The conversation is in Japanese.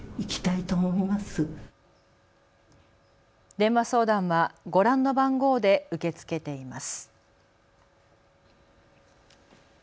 電話相談はご覧の番号で受け付けています。